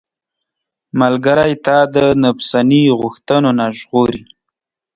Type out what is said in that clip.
ملګری تا د نفساني غوښتنو نه ژغوري.